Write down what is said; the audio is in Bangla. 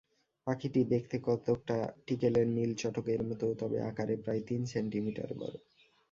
পাখিটি দেখতে কতকটা টিকেলের নীল চটকের মতো, তবে আকারে প্রায় তিন সেন্টিমিটার বড়।